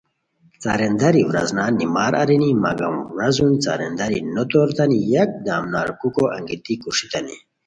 څارینداری ورازنان نیمار ارینی مگم ورازون څارینداری نو توریتانی یکدم نرکوکو انگیتی کوݰتانی